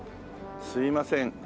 すいません。